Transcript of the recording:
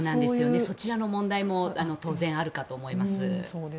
そちらの問題も当然あるかと思います。